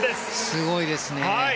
すごいですね。